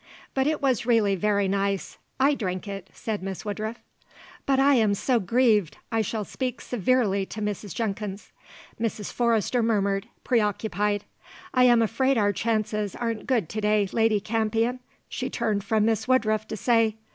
But it was really very nice. I drank it!" said Miss Woodruff. "But I am so grieved. I shall speak severely to Mrs. Jenkins," Mrs. Forrester murmured, preoccupied. "I am afraid our chances aren't good to day, Lady Campion," she turned from Miss Woodruff to say.